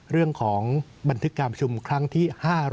เรื่องของบันทึกการประชุมครั้งที่๕๐๑